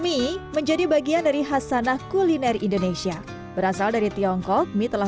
mi menjadi bagian dari khas sanah kuliner indonesia berasal dari tiongkok mi telah